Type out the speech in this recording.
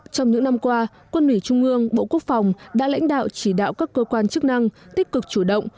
trong những năm qua quân ủy trung ương bộ quốc phòng đã lãnh đạo chỉ đạo các cơ quan chức năng tích cực chủ động